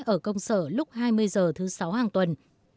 ở công sở lúc hai mươi h thứ sáu hàng tuần